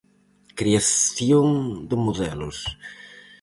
Creación de modelos.